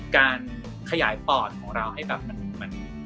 การขยายปอดของเราให้แบบมัน